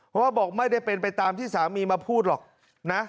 เพราะว่าบอกไม่ได้เป็นไปตามที่สามีมาพูดหรอกนะ